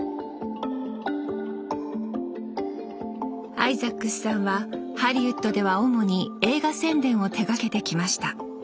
アイザックスさんはハリウッドでは主に映画宣伝を手がけてきました